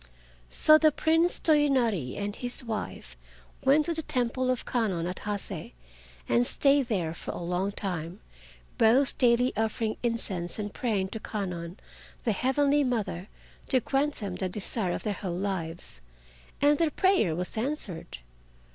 So the Prince Toyonari and his wife went to the temple of Kwannon at Hase and stayed there for a long time, both daily offering incense and praying to Kwannon, the Heavenly Mother, to grant them the desire of their whole lives. And their prayer was answered.